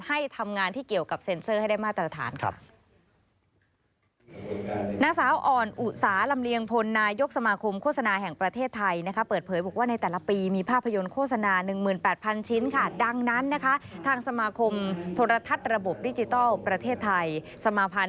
ให้ทำงานที่เกี่ยวกับเซ็นเซอร์ให้ได้มาตรฐานค่ะ